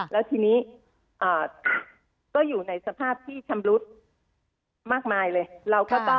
แล้วทีนี้ก็อยู่ในสภาพที่ชำรุดมากมายเลย